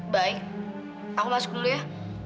baik aku masuk dulu ya